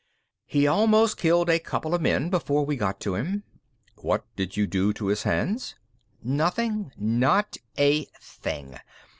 He almost killed a couple of men before we got to him." "What did you do to his hands?" "Nothing. Not a thing.